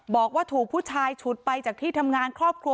บอกว่าถูกผู้ชายฉุดไปจากที่ทำงานครอบครัว